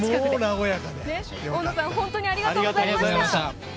大野さん、本当にありがとうございました。